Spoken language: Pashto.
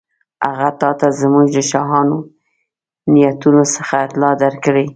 هغه تاته زموږ له شاهانه نیتونو څخه اطلاع درکړې.